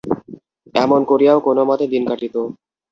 এমন করিয়াও কোনোমতে দিন কাটিত।